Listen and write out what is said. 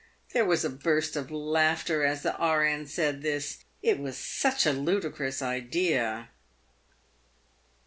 There was a burst of laughter as the E.N. said this. It was such a ludicrous idea.